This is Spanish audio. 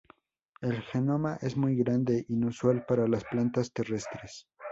El genoma es muy grande, inusual para las plantas terrestres.